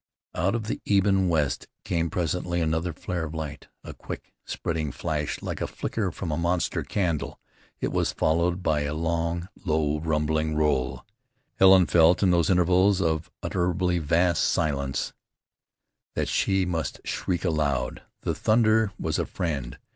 Out of the ebon west came presently another flare of light, a quick, spreading flush, like a flicker from a monster candle; it was followed by a long, low, rumbling roll. Helen felt in those intervals of unutterably vast silence, that she must shriek aloud. The thunder was a friend.